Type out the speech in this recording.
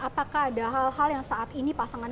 apakah ada hal hal yang saat ini pasangan